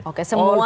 oke semua orang ya